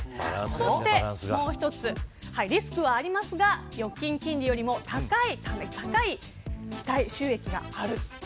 そして、もう一つリスクはありますが預金金利よりも高い期待収益がある。